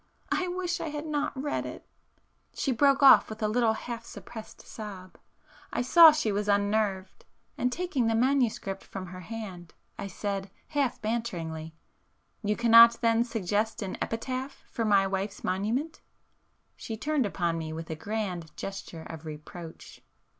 I wish I had not read it...." She broke off with a little half suppressed sob,—I saw she was unnerved, and taking the manuscript from her hand, I said half banteringly— "You cannot then suggest an epitaph for my wife's monument?" She turned upon me with a grand gesture of reproach.